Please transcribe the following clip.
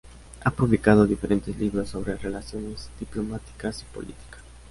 Ha publicado diferentes libros sobre relaciones diplomáticas y política.